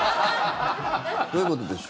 どういうことでしょう？